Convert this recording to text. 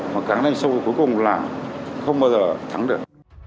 và càng đánh sâu thì cuối cùng là không bao giờ thắng được